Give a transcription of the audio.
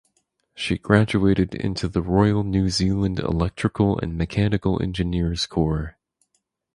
She graduated into the Royal New Zealand Electrical and Mechanical Engineers Corps.